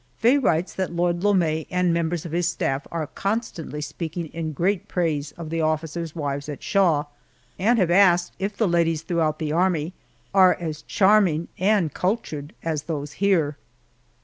Faye writes that Lord Lome and members of his staff are constantly speaking in great praise of the officers' wives at Shaw, and have asked if the ladies throughout the Army are as charming and cultured as those here.